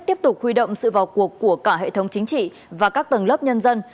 tiếp tục huy động sự vào cuộc của cả hệ thống chính trị và các tầng lớp nhân dân